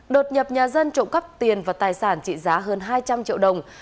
đột nhập nhà dân trộm cắp tiền và tài sản trị giá hơn hai trăm linh triệu đồng